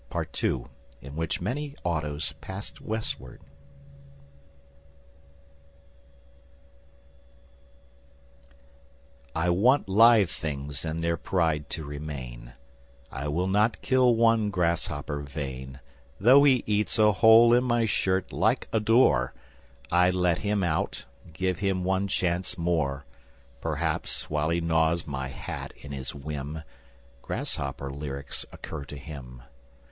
_ II. In which Many Autos pass Westward # In an even, deliberate, narrative manner. # I want live things in their pride to remain. I will not kill one grasshopper vain Though he eats a hole in my shirt like a door. I let him out, give him one chance more. Perhaps, while he gnaws my hat in his whim, Grasshopper lyrics occur to him.